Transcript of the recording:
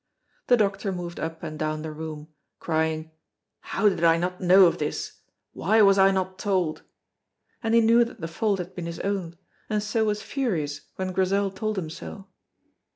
The doctor moved up and down the room, crying, "How did I not know of this, why was I not told?" and he knew that the fault had been his own, and so was furious when Grizel told him so.